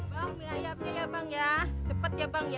dan saya yakin bahwa